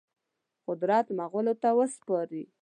قدرت مغولو ته وسپاري.